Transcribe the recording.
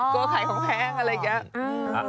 กลัวไข่ของแพงอะไรอย่างเงี้ย